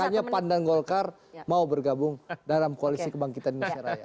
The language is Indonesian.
makanya pan dan golkar mau bergabung dalam koalisi kebangkitan indonesia raya